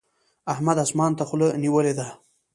احمد اسمان ته خوله نيولې ده.